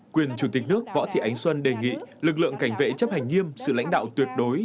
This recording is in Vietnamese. quyền chủ tịch nước võ thị ánh xuân đề nghị lực lượng cảnh vệ chấp hành nghiêm sự lãnh đạo tuyệt đối